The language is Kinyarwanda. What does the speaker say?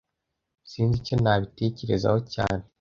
Sinzi icyo nabitekerezaho cyane